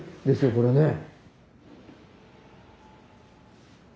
これねえ。